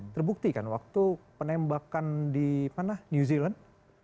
terbukti kan waktu penembakan di new zealand